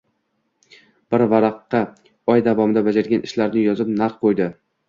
Bir varaqqa oy davomida bajargan ishlarini yozib narx qoʻydi.